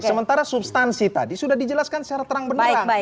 sementara substansi tadi sudah dijelaskan secara terang benerang